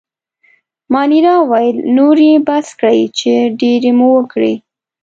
مانیرا وویل: نور يې بس کړئ، چې ډېرې مو وکړې.